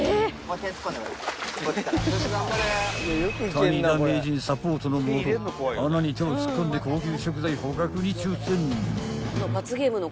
［谷田名人サポートの下穴に手を突っ込んで高級食材捕獲に挑戦］